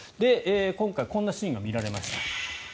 今回こんなシーンが見られました。